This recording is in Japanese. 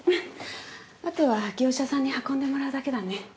あとは業者さんに運んでもらうだけだね。